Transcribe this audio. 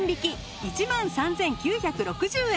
１万３９６０円。